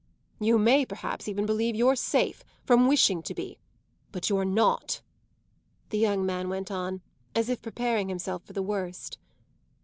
"You may perhaps even believe you're safe from wishing to be. But you're not," the young man went on as if preparing himself for the worst.